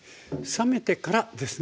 冷めてからですね？